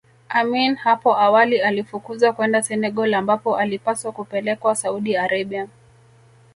Amin hapo awali alifukuzwa kwenda Senegal ambapo alipaswa kupelekwa Saudi Arabia